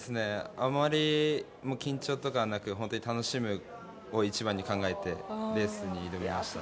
あまり緊張とかはなく楽しむのを一番に考えてレースに挑みました。